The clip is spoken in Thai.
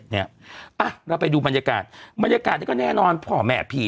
เนี่ยเนี่ยปั้ยเราไปดูบรรยากาศมันยากาศก็แน่นอนพอแมะผี